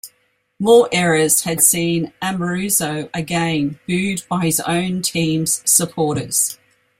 More errors had seen Amoruso again booed by his own teams' supporters.